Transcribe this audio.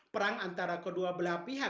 perang antara kedua belah pihak